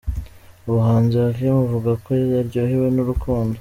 Umuhanzi Hakim uvuga ko aryohewe n'urukundo.